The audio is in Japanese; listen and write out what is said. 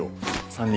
３人。